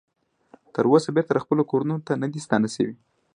تر اوسه بیرته خپلو کورونو ته نه دې ستانه شوي